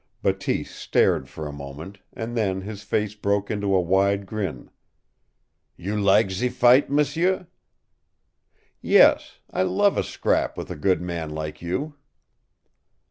Bateese stared for a moment, and then his face broke into a wide grin. "You lak ze fight, m'sieu?" "Yes. I love a scrap with a good man like you."